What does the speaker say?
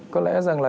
có lẽ rằng là